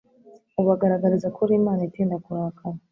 ubagaragariza ko uri Imana itinda kurakara